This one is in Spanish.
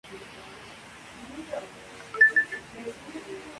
Participó en la modalidad de Dobles Mixtos junto a Gao Ling.